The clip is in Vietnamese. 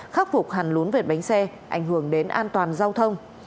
khắc phục hàn lún vệt bánh xe ảnh hưởng đến an toàn giao thông